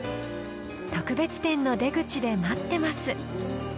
特別展の出口で待ってます。